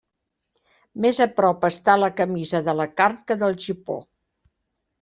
Més a prop està la camisa de la carn que del gipó.